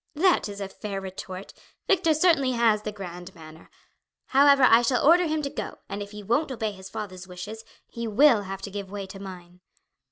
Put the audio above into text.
"That is a fair retort. Victor certainly has the grand manner. However, I shall order him to go; and if he won't obey his father's wishes, he will have to give way to mine."